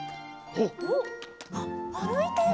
おっあるいてる。